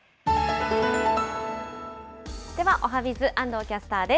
ではおはＢｉｚ、安藤キャスターです。